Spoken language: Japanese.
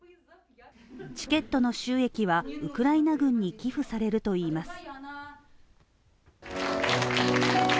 チケットの収益はウクライナ軍に寄付されるといいます。